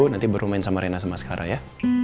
nanti baru main sama rena sama skara ya